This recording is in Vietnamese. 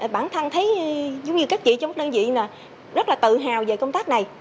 bản thân thấy giống như các chị trong đơn vị rất là tự hào về công tác này